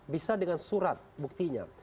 bisa dengan surat buktinya